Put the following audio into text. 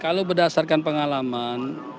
kalau berdasarkan pengalaman